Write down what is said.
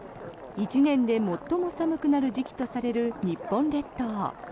１年で最も寒くなる時期とされる日本列島。